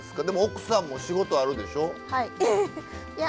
でも奥さんも仕事あるでしょ？